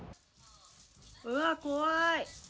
うわっ、怖い。